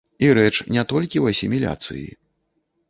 І рэч не толькі ў асіміляцыі.